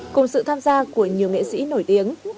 cùng sự tham gia của nhiều nghệ sĩ nổi tiếng